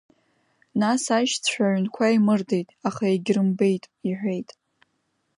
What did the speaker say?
Нас аишьцәа аҩнқәа еимырдеит, аха егьрымбеит, — иҳәеит.